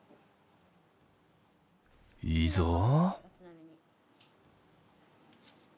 いいぞ。